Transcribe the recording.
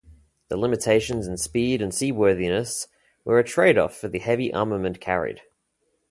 The limitations in speed and seaworthiness were a trade-off for the heavy armament carried.